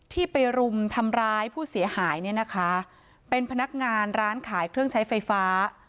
ที่ไปรุมทำร้ายผู้เสียหายเนี่ยนะคะเป็นพนักงานร้านขายเครื่องใช้ไฟฟ้า